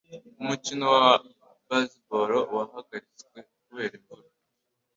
Umukino wa baseball wahagaritswe kubera imvura.